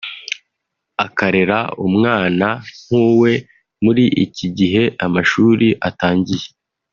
akarera umwana nk’uwe muri iki gihe amashuri atangiye